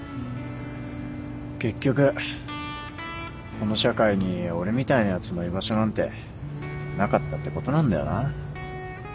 結局この社会に俺みたいなやつの居場所なんてなかったってことなんだよな